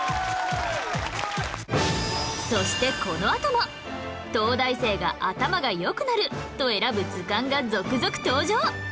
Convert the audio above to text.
そしてこのあとも東大生が頭が良くなると選ぶ図鑑が続々登場！